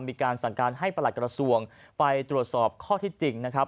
มีการสั่งการให้ประหลัดกระทรวงไปตรวจสอบข้อที่จริงนะครับ